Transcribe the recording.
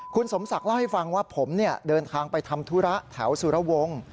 คุณสมศักดิ์เล่าให้ฟังว่าผมเดินทางไปทำธุระแถวสุรวงศ์